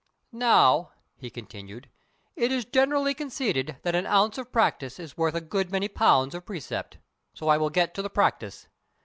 "Now," he continued, "it is generally conceded that an ounce of practice is worth a good many pounds of precept, so I will get to the practice.